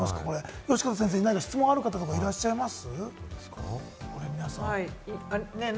善方先生に質問ある方いらっしゃいます？